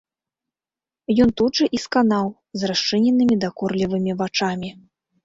Ён тут жа і сканаў з расчыненымі дакорлівымі вачамі.